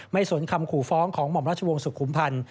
สนคำขู่ฟ้องของหม่อมราชวงศ์สุขุมพันธ์